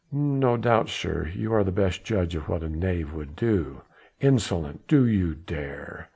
"No doubt, sir, you are the best judge of what a knave would do." "Insolent ... do you dare...?"